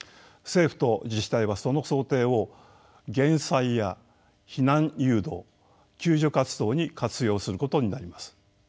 政府と自治体はその想定を減災や避難誘導救助活動に活用することになります。